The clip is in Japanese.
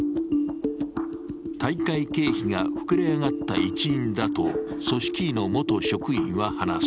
大会経費が膨れ上がった一因だと組織委の元職員は話す。